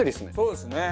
そうですね。